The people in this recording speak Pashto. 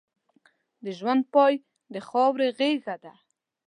د ژوند پای د خاورې غېږه ده.